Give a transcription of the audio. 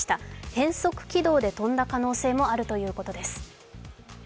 変則軌道で飛んだ可能性もあるということです。